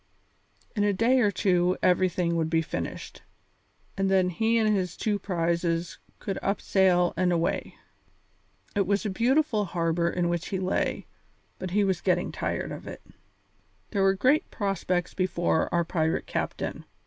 In a day or two everything would be finished, and then he and his two prizes could up sail and away. It was a beautiful harbour in which he lay, but he was getting tired of it. There were great prospects before our pirate captain.